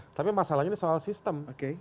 tapi masalahnya ini soal sistem